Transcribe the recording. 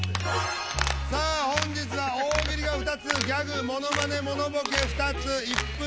さあ本日は大喜利が２つギャグモノマネモノボケ２つ１分